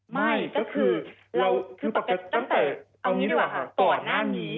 ไม่ก็คือตั้งแต่ต่อหน้านี้